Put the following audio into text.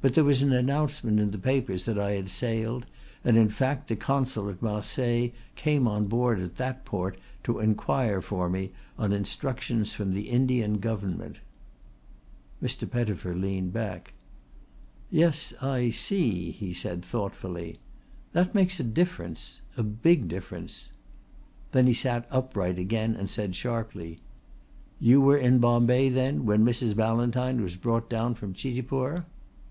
But there was an announcement in the papers that I had sailed, and in fact the consul at Marseilles came on board at that port to inquire for me on instructions from the Indian Government." Mr. Pettifer leaned back. "Yes, I see," he said thoughtfully. "That makes a difference a big difference." Then he sat upright again and said sharply: "You were in Bombay then when Mrs. Ballantyne was brought down from Chitipur?"